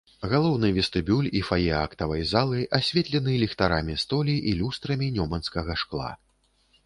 Галоўны вестыбюль і фае актавай залы асветлены ліхтарамі столі і люстрамі нёманскага шкла.